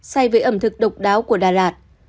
say với ẩm thực độc đáo của đà lạt